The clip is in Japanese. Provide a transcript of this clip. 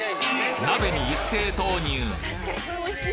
鍋に一斉投入！